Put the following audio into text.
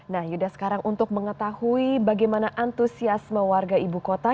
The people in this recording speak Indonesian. nah yuda sekarang untuk mengetahui bagaimana antusiasme warga ibu kota